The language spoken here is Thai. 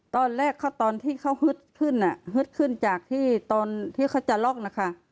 ตอนแรกเขาตอนที่เขาฮึดขึ้นฮึดขึ้นจากที่ตอนที่เขาจะล็อกนะคะ